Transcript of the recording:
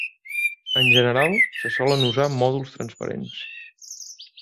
En general, se solen usar mòduls transparents.